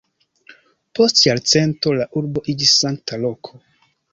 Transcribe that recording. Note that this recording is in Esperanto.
Post jarcento la urbo iĝis sankta loko.